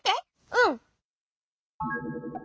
うん！